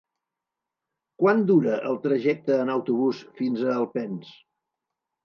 Quant dura el trajecte en autobús fins a Alpens?